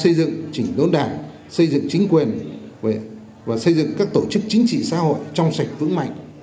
xây dựng chỉnh đốn đảng xây dựng chính quyền và xây dựng các tổ chức chính trị xã hội trong sạch vững mạnh